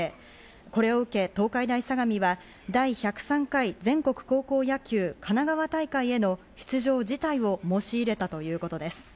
これを受け、東海大相模は第１０３回全国高校野球神奈川大会への出場辞退を申し入れたということです。